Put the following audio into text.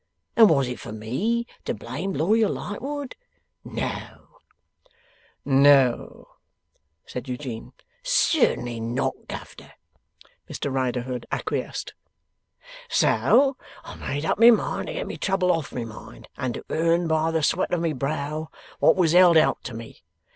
And was it for ME to blame Lawyer Lightwood? No.' 'No,' said Eugene. 'Certainly not, Governor,' Mr Riderhood acquiesced. 'So I made up my mind to get my trouble off my mind, and to earn by the sweat of my brow what was held out to me.